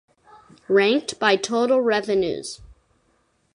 Ranked by total revenues.